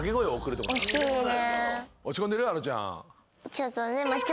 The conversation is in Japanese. ちょっとね。